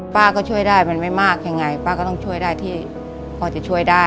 ป้าก็ช่วยได้มันไม่มากยังไงป้าก็ต้องช่วยได้ที่พอจะช่วยได้